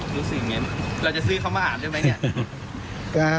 รู้สึกอย่างนั้นเราจะซื้อเขามาอ่านได้ไหมเนี่ย